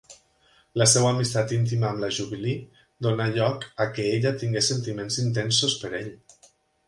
La seva amistat íntima amb la Jubilee donar lloc a què ella tingués sentiments intensos per ell.